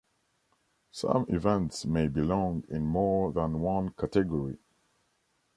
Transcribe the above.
Some events may belong in more than one category.